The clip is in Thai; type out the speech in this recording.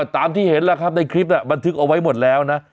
ตามที่เห็นแล้วครับในคลิปบันทึกเอาไว้หมดแล้วนะ